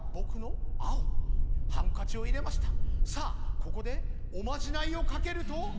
さあここでおまじないをかけると。